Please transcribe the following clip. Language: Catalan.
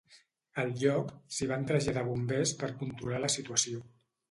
Al lloc, s'hi van traslladar bombers per controlar la situació.